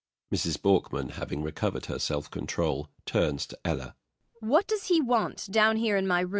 MRS. BORKMAN. [Having recovered her self control, turns to ELLA.] What does he want down here in my room?